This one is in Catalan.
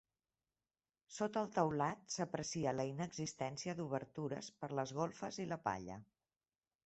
Sota el teulat s'aprecia la inexistència d'obertures per les golfes i la palla.